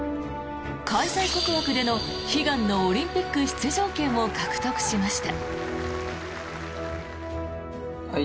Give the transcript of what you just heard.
開催国枠での悲願のオリンピック出場権を獲得しました。